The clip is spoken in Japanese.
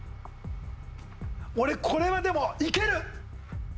俺これはでもいける！